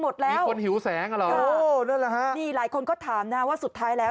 ดูดแสงไปหมดแล้ว